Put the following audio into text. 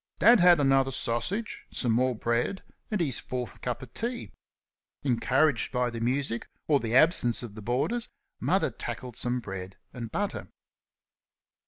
Dad had another sausage, some more bread, and his fourth cup of tea. Encouraged by the music or the absence of the boarders, Mother tackled some bread and butter.